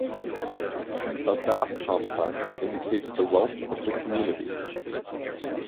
A bath complex indicates the wealth of the community.